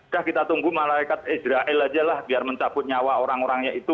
dah kita tunggu malaikat israel aja lah biar mencabut nyawa orang orangnya itu